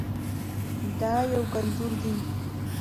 دا یو کلتور دی.